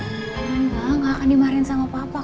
enggak gak akan dimarahin sama bapak